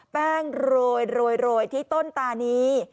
แป้งโรยโรยโรยที่ต้นตานี้